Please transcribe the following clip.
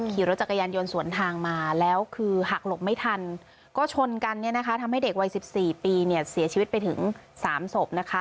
ขี่รถจักรยานยนต์สวนทางมาแล้วคือหักหลบไม่ทันก็ชนกันเนี่ยนะคะทำให้เด็กวัย๑๔ปีเนี่ยเสียชีวิตไปถึง๓ศพนะคะ